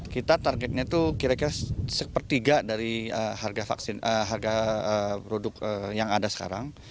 kita targetnya itu kira kira sepertiga dari harga produk yang ada sekarang